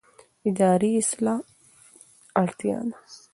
اداري اصلاح اړتیا ده